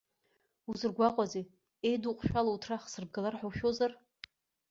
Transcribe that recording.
Узыргәаҟуазеи, еидуҟәшәало уҭра хсырбгалар ҳәа ушәозар?